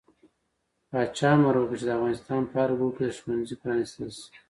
پاچا امر وکړ چې د افغانستان په هر ګوټ کې د ښوونځي پرانستل شي.